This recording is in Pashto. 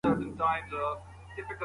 د هلکانو لیلیه په زوره نه تحمیلیږي.